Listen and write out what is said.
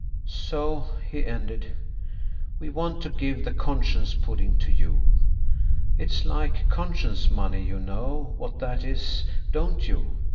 "So," he ended, "we want to give the conscience pudding to you. It's like conscience money–you know what that is, don't you?